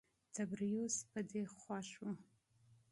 تبریوس په دې خوښ و.